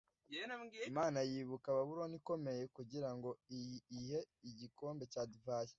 imana yibuka babuloni ikomeye kugira ngo iyihe igikombe cya divayi